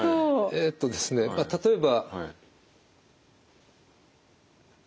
えっとですねまあ例えば。